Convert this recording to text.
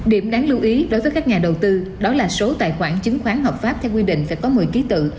điểm đáng lưu ý đối với các nhà đầu tư đó là số tài khoản chứng khoán hợp pháp theo quy định phải có một mươi ký tự